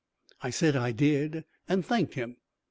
I said I did, and thanked him.